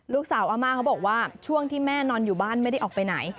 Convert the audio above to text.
อาม่าเขาบอกว่าช่วงที่แม่นอนอยู่บ้านไม่ได้ออกไปไหน